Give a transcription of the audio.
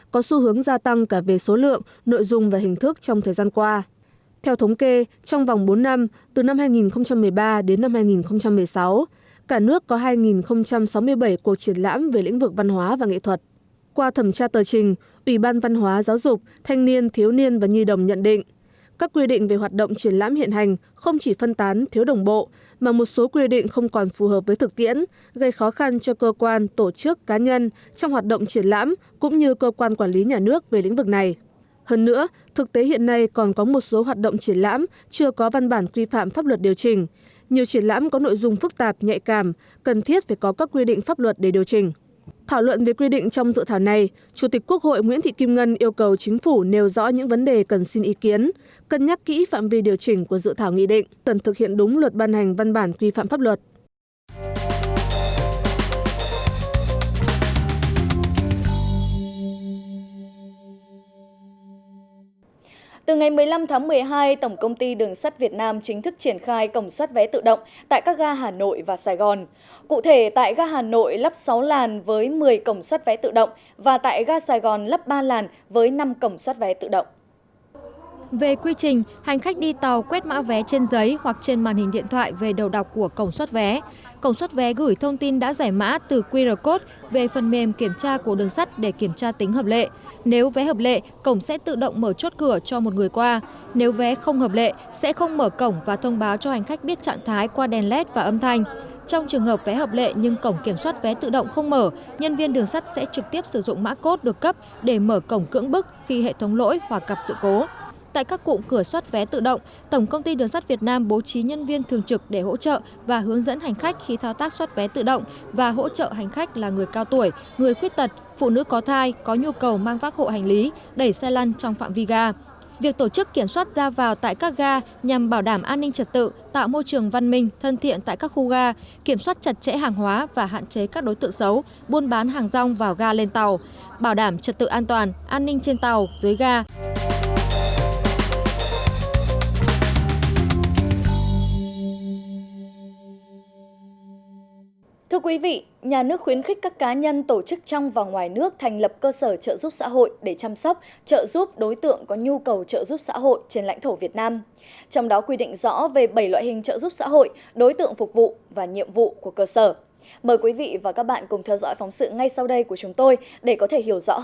các bạn hãy đăng ký kênh để ủng hộ kênh của mình nhé